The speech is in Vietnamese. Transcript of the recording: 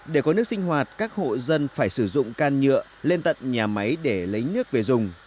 để có nước sinh hoạt các hộ dân phải sử dụng can nhựa lên tận nhà máy để lấy nước về dùng